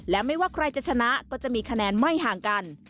และไม่ว่าใครจะชนะก็จะมีคะแนนไม่ห่างกัน